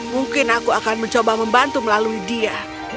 mungkin aku akan mencoba membantu melalui dia